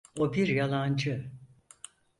O bir yalancı.